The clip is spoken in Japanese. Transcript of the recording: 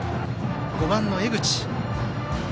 ５番の江口。